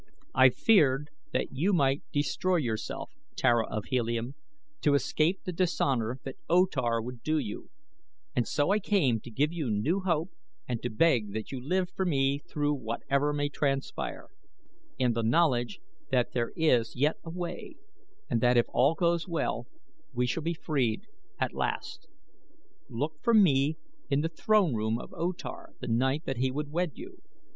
I feared that you might destroy yourself, Tara of Helium, to escape the dishonor that O Tar would do you, and so I came to give you new hope and to beg that you live for me through whatever may transpire, in the knowledge that there is yet a way and that if all goes well we shall be freed at last. Look for me in the throne room of O Tar the night that he would wed you.